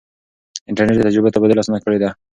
انټرنیټ د تجربو تبادله اسانه کړې ده.